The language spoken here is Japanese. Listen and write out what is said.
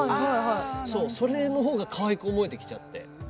それの方がかわいく思えてきちゃって。